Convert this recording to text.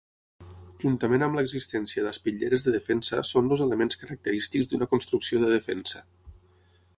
Juntament amb l'existència d'espitlleres de defensa són els elements característics d'una construcció de defensa.